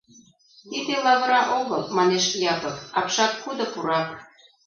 — Тиде лавыра огыл, — манеш Япык, — апшаткудо пурак.